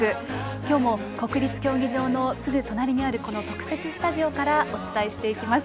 今日も国立競技場のすぐ隣にあるこの特設スタジオからお伝えしていきます。